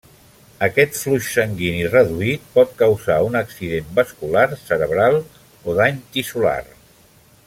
Aquest flux sanguini reduït pot causar un accident vascular cerebral o dany tissular.